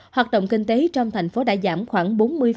hoạt động kinh tế trong thành phố đã giảm khoảng bốn mươi